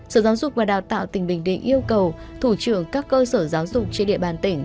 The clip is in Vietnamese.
sở giáo dục và đào tạo tỉnh bình định yêu cầu thủ trưởng các cơ sở giáo dục trên địa bàn tỉnh